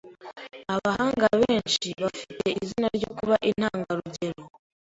Abahanga benshi bafite izina ryo kuba intangarugero.